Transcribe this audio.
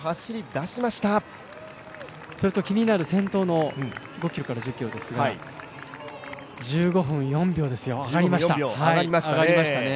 そして気になる先頭から５１０ｋｍですが１５分４秒ですよ、上がりましたね。